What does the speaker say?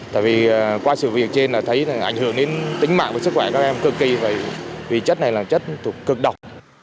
tại vì qua sự việc trên là thấy ảnh hưởng đến tính mạng và sức khỏe các em cực kỳ vì chất này là chất thuộc cực độc